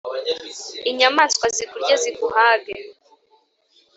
inyamaswa zikurye ziguhage